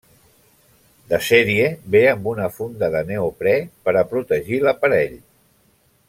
De sèrie ve amb una funda de neoprè per a protegir l'aparell.